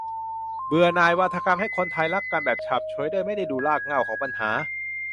เบื่อหน่ายวาทกรรมให้คนไทยรักกันแบบฉาบฉวยโดยไม่ได้ดูรากเง่าของปัญหา